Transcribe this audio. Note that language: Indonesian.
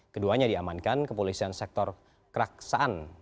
keduanya diamankan kepolisian sektor keraksaan